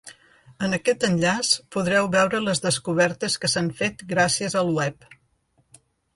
En aquest enllaç podreu veure les descobertes que s'han fet gràcies al web.